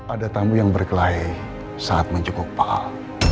ada tamu yang berkelahi saat mencukupi al